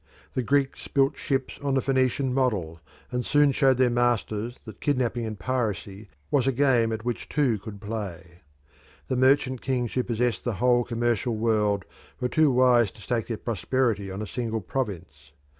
The Greeks built ships on the Phoenician model, and soon showed their masters that kidnapping and piracy was a game at which two could play. The merchant kings who possessed the whole commercial world were too wise to stake their prosperity on a single province.